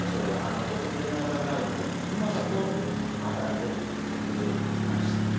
取ってくれない場合があるので今だとまあ大丈夫ということで行きました。